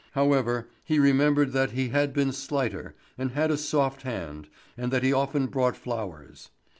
However, he remembered that he had been slighter, and had a soft hand, and that he often brought flowers.